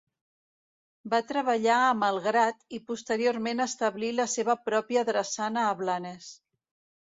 Va treballar a Malgrat i posteriorment establí la seva pròpia drassana a Blanes.